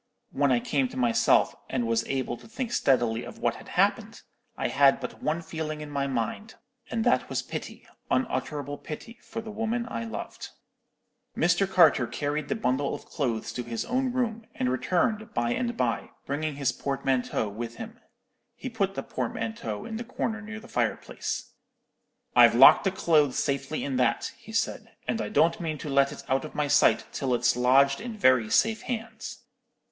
When I came to myself, and was able to think steadily of what had happened, I had but one feeling in my mind; and that was pity, unutterable pity, for the woman I loved. "Mr. Carter carried the bundle of clothes to his own room, and returned by and by, bringing his portmanteau with him. He put the portmanteau in a corner near the fireplace. "'I've locked the clothes safely in that,' he said; 'and I don't mean to let it out of my sight till it's lodged in very safe hands.